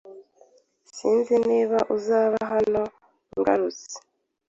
Sinzi niba uzaba hano ngarutse.